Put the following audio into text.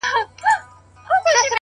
• شهيد زما دی, د وېرژلو شيون زما دی,